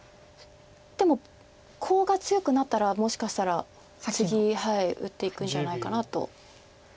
でもコウが強くなったらもしかしたらツギ打っていくんじゃないかなと。